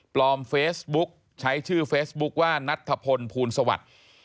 เฟซบุ๊กใช้ชื่อเฟซบุ๊คว่านัทธพลภูลสวัสดิ์